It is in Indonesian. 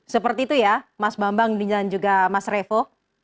seperti itu ya mas bambang dan juga mas revo